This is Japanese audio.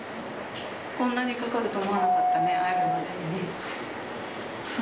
こんなにかかると思わなかったね、会えるまでにね。